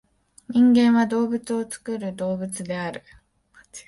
人間は「道具を作る動物」である。